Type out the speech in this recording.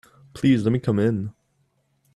Please let me come in.